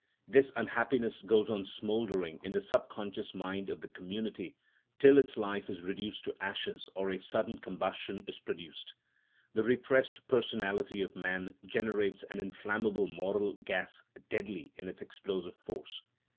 This unhappiness goes on smouldering in the subconscious mind of the community till its life is reduced to ashes or a sudden combustion is produced. The repressed personality of man generates an inflammable moral gas deadly in its explosive force.